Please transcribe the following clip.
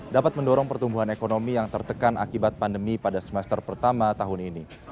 dapat mendorong pertumbuhan ekonomi yang tertekan akibat pandemi pada semester pertama tahun ini